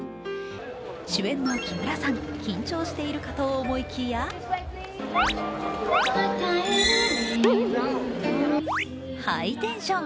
主演の木村さん、緊張しているかと思いきやハイテンション！